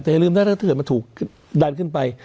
แต่อย่าลืมนะถ้าเกิดมันถูกดันขึ้นไป